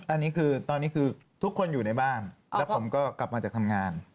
อันนี้คือตอนนี้คือทุกคนอยู่ในบ้านแล้วผมก็กลับมาจากทำงาน